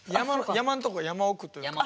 山のとこ山奥というか。